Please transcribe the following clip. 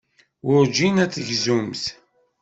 Werǧin ad tegzumt.